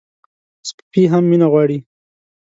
سپي هم مینه غواړي.